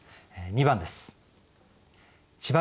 ２番です。